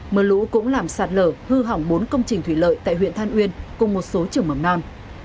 mưa lũ cũng làm sạt lở hư hỏng bốn công trình thủy lợi tại huyện than uyên cùng một số trường mầm non